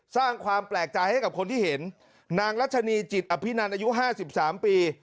สร้างความแปลกใจให้กับคนที่เห็นนางรัชนีจิตอภินันอายุห้าสิบสามปี